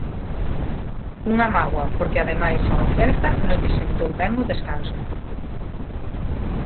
Unha mágoa porque ademais ao Celta non lle sentou ben o descanso.